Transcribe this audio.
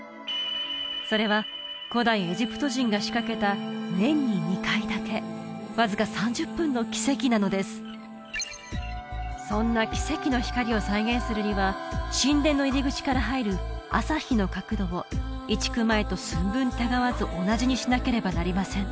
それは古代エジプト人が仕掛けた年に２回だけわずか３０分の奇跡なのですそんな奇跡の光を再現するには神殿の入り口から入る朝日の角度を移築前と寸分たがわず同じにしなければなりません